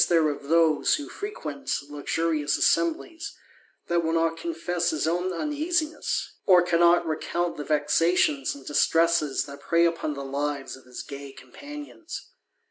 ^liere of those who frequent luxurious assemblies, that ^^^ not confess his own uneasiness, or cannot recount the 17 258 THE ADVENTURER. » vexations and distresses that prey upon the lives of 1 gay companions.